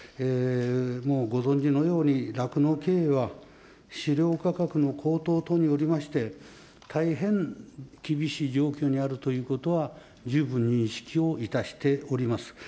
もうご存じのように、酪農経営は飼料価格の高騰等によりまして、大変厳しい状況にあるということは、十分認識をいたしております。